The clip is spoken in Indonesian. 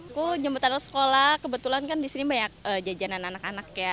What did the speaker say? aku jemputan sekolah kebetulan kan di sini banyak jajanan anak anak ya